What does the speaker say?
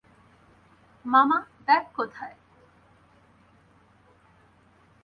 মামা, ব্যাগ কোথায়?